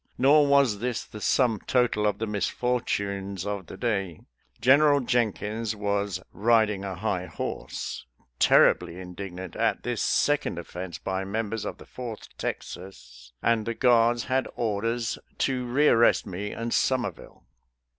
Nor was this the sum total of the misfortunes of the day. Gen eral Jenkins was " riding a high horse," terribly 160 SOLDIER'S LETTERS TO CHARMING NELLIE indignant at this second offense by members of the Fourth Texas, and the guards had orders to rearrest me and Somerville.